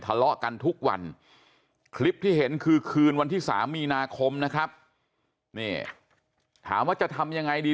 ทะเลาะกันทุกวันคลิปที่เห็นคือคืนวันที่๓มีนาคมนะครับนี่ถามว่าจะทำยังไงดี